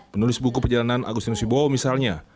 penulis buku perjalanan agustinus wibowo misalnya